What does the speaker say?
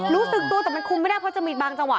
รู้สึกตัวแต่มันคุมไม่ได้เพราะจะมีบางจังหว